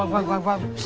à vâng vâng vâng vâng